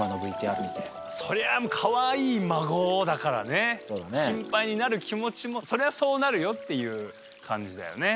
そりゃあかわいいまごだからね心配になる気持ちもそりゃそうなるよっていう感じだよね。